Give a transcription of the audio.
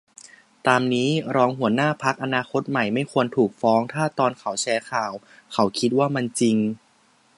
ตามนี้ รองหัวหน้าพรรคอนาคตใหม่ไม่ควรถูกฟ้องถ้าตอนเขาแชร์ข่าวเขาคิดว่ามันจริง